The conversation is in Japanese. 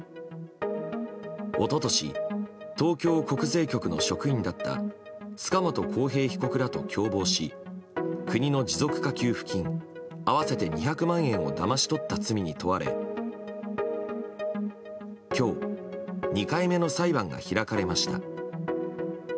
一昨年、東京国税局の職員だった塚本晃平被告らと共謀し国の持続化給付金合わせて２００万円をだまし取った罪に問われ今日、２回目の裁判が開かれました。